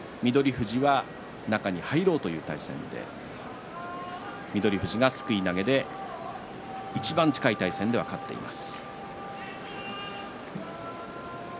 富士は中に入ろうという対戦で翠富士がすくい投げでいちばん近い対戦では勝っています。